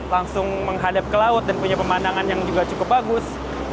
langsung menghadap ke laut dan punya pemandangan yang juga cukup bagus